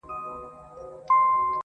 o خر له باره ولوېدی، له گوزو ونه لوېدی!